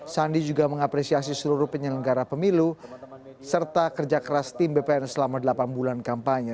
sandi juga mengapresiasi seluruh penyelenggara pemilu serta kerja keras tim bpn selama delapan bulan kampanye